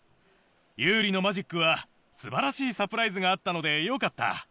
ＹＯＵＲＩのマジックは素晴らしいサプライズがあったので良かった。